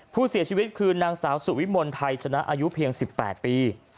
ผู้เสียชีวิตคือนางสาวสุวิมลไทยชนะอายุเพียง๑๘ปี